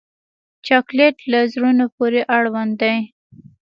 چاکلېټ له زړونو پورې اړوند دی.